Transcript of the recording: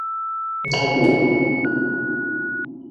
gbagwòó